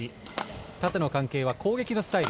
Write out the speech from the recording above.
縦の関係は攻撃のスタイル。